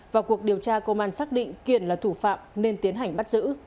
và cuộc điều tra công an xác định kiển là thủ phạm nên tiến hành bắt giữ